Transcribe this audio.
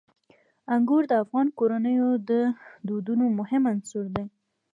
انګور د افغان کورنیو د دودونو مهم عنصر دی.